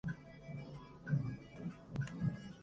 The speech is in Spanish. Por ejemplo, produce metanol, mientras que produce etilenglicol.